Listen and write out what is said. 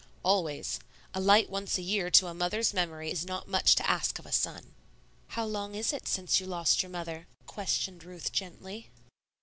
"Always. A light once a year to a mother's memory is not much to ask of a son." "How long is it since you lost your mother?" questioned Ruth, gently.